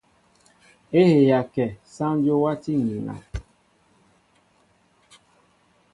É heya kɛ , sááŋ Dyó wátí ŋgiŋa.